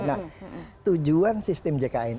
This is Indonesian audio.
nah tujuan sistem jkn